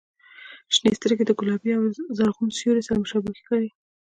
• شنې سترګې د ګلابي او زرغون سیوري سره مشابه ښکاري.